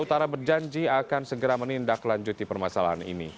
utara berjanji akan segera menindak lanjuti permasalahan ini